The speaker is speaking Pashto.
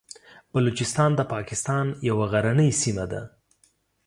بلوچستان د پاکستان یوه غرنۍ سیمه ده.